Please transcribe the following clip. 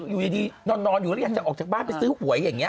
อยู่ดีนอนอยู่แล้วยังจะออกจากบ้านไปซื้อหวยอย่างนี้